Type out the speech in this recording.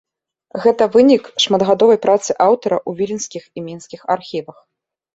Гэта вынік шматгадовай працы аўтара ў віленскіх і мінскіх архівах.